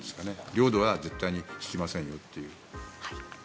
領土は絶対に引きませんよと。